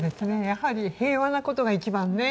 やはり平和な事が一番ね。